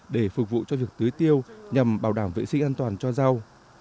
để phục vụ cho việc tưới tiêu nhằm bảo đảm vệ sinh an toàn cho rau